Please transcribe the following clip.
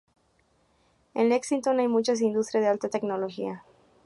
En Lexington hay mucha industria de alta tecnología.